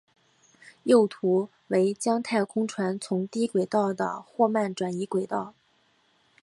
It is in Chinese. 右图为将太空船从低轨道的霍曼转移轨道。